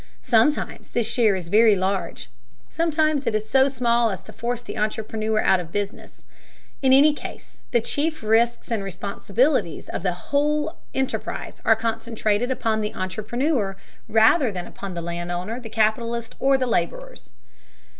Sometimes this share is very large, sometimes it is so small as to force the entrepreneur out of business. In any case, the chief risks and responsibilities of the whole enterprise are concentrated upon the entrepreneur, rather than upon the land owner, the capitalist, or the laborers.